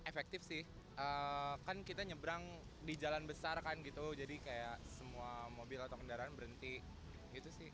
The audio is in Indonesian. efektif sih kan kita nyebrang di jalan besar kan gitu jadi kayak semua mobil atau kendaraan berhenti gitu sih